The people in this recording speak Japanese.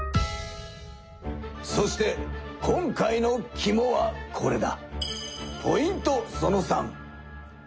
そして今回のきもはこれだ。